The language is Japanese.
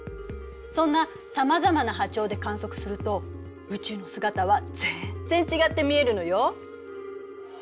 そんなさまざまな波長で観測すると宇宙の姿は全然違って見えるのよ。